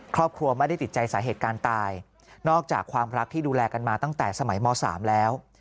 ครอบครัวไม่ได้ติดใจสาเหตุการณ์ตายนอกจากความรักที่ดูแลกันมาตั้งแต่สมัยม๓แล้ว